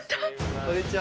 こんにちは！